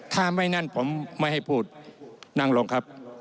ถ้าไม่นั่นผมไม่ให้พูดนั่งลงครับ